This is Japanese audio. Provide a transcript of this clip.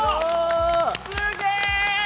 すげえ！